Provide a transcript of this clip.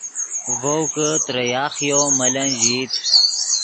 ڤؤ کہ ترے یاخیو ملن ژئیت